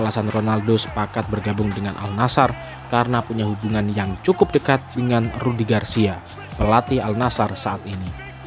alasan ronaldo sepakat bergabung dengan al nasar karena punya hubungan yang cukup dekat dengan rudy garsia pelatih al nasar saat ini